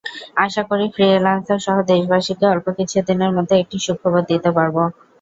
আশা করি ফ্রিল্যান্সারসহ দেশবাসীকে অল্প কিছুদিনের মধ্যে একটি সুখবর দিতে পারব।